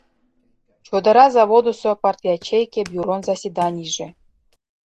Чодыра заводысо партячейке бюрон заседанийже.